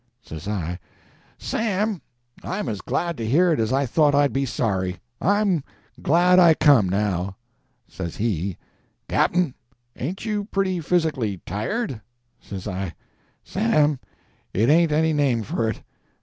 Says I— "Sam, I'm as glad to hear it as I thought I'd be sorry. I'm glad I come, now." Says he— "Cap'n, ain't you pretty physically tired?" Says I— "Sam, it ain't any name for it!